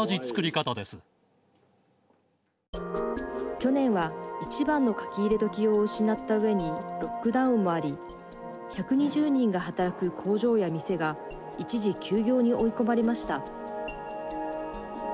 去年は一番のかき入れ時を失ったうえにロックダウンもあり１２０人が働く工場や店が一時休業に追い込まれました。